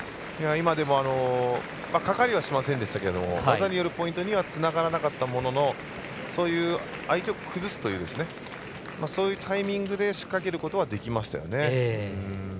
かかりはしませんでしたけど技によるポイントにはつながらなかったもののそういう相手を崩すというそういうタイミングで仕掛けることはできましたよね。